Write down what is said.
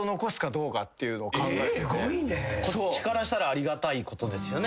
こっちからしたらありがたいことですよね。